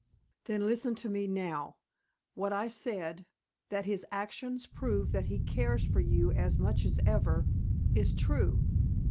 "Then listen to me now. What I said that his actions prove that he cares for you as much as ever is true.